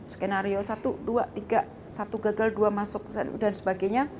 skenario satu dua tiga satu gagal dua masuk dan sebagainya